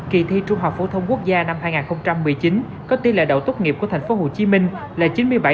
kỳ thi trung học phổ thông quốc gia năm hai nghìn một mươi chín có tỷ lệ đậu tốt nghiệp của tp hcm là chín mươi bảy